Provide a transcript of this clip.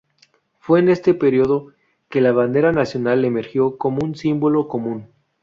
Fue en este período que la bandera nacional emergió como un símbolo común.